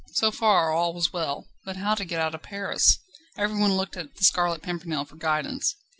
So far all was well. But how to get out of Paris? Everyone looked to the Scarlet Pimpernel for guidance.